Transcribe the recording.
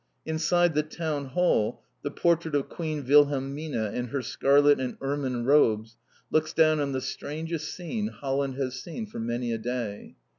Inside the Town hall the portrait of Queen Wilhelmina in her scarlet and ermine robes looks down on the strangest scene Holland has seen for many a day.